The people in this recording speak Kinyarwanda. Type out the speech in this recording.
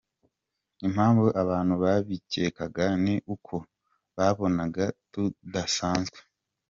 Impamvu abantu babikekaga ni uko babonaga tudasanzwe”.